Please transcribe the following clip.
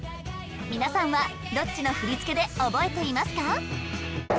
皆さんはどっちの振り付けで覚えていますか？